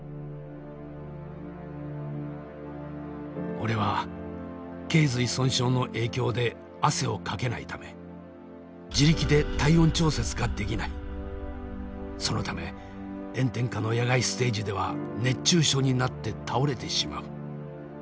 俺は頸髄損傷の影響で汗をかけないため自力でそのため炎天下の野外ステージでは熱中症になって倒れてしまう。